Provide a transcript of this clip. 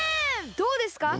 どうですか？